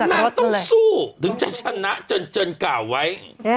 นางต้องสู้ถึงจะชนะจนกล่าวไว้